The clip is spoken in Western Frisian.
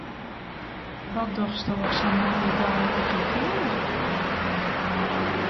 Wat dochsto op sa'n moaie dei op dyn keamer?